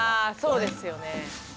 そうですよね。